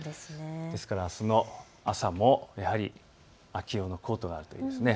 ですから、あすの朝も秋用のコートがあるといいですね。